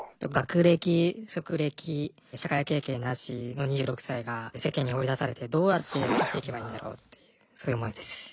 学歴職歴社会経験なしの２６歳が世間に放り出されてどうやって生きていけばいいんだろうっていうそういう思いです。